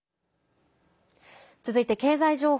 続いて経済情報。